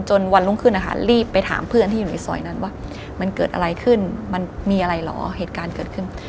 วันรุ่งขึ้นนะคะรีบไปถามเพื่อนที่อยู่ในซอยนั้นว่ามันเกิดอะไรขึ้นมันมีอะไรเหรอเหตุการณ์เกิดขึ้น